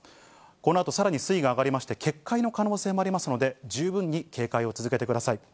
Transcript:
このあと、さらに水位が上がりまして、決壊の可能性もありますので、十分に警戒を続けてください。